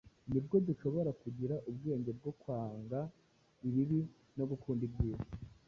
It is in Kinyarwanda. ni bwo dushobora kugira ubwenge bwo kwanga ibibi no gukunda ibyiza.